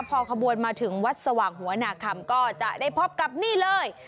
พอขบวนมาถึงวัดสว่างหัวนาคำก็จะได้พบกับนี่เลย